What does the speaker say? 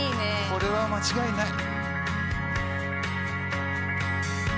これは間違いない。